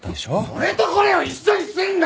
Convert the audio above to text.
それとこれを一緒にすんな！